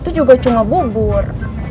itu juga cuma bubur